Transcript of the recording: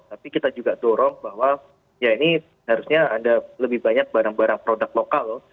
tapi kita juga dorong bahwa ya ini harusnya ada lebih banyak barang barang produk lokal